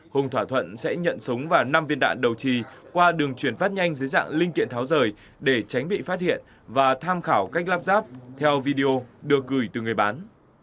hùng thỏa thuận sẽ nhận súng và năm viên đạn đầu trì qua đường chuyển phát nhanh dưới dạng linh kiện tháo rời để tránh bị phát hiện và tham khảo cách lắp ráp theo video được gửi từ người bán